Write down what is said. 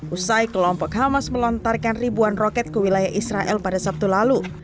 usai kelompok hamas melontarkan ribuan roket ke wilayah israel pada sabtu lalu